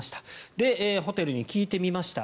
で、ホテルに聞いてみました。